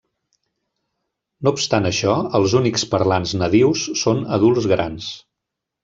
No obstant això, els únics parlants nadius són adults grans.